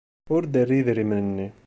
Ur d-terri idrimen-nni.